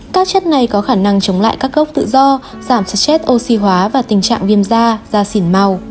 các chất này có khả năng chống lại các gốc tự do giảm stress oxy hóa và tình trạng viêm da da xỉn màu